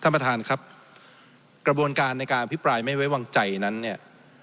ท่านประธานครับกระบวนการในการอภิปรายไม่ไว้วางใจนั้นเนี่ย